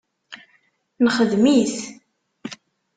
Nexdem-it.